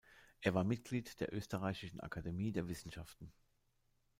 Er war Mitglied der Österreichischen Akademie der Wissenschaften.